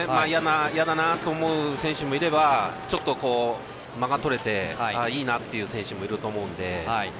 嫌だなと思う選手もいればちょっと間がとれていいなという選手もいると思うんで。